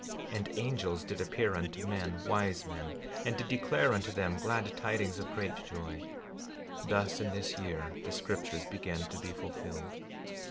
16:14 And angels did appear unto men, wise men, and did declare unto them glad tidings of great joy; thus in this year the scriptures began to be fulfilled.